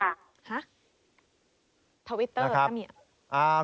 เนี่ย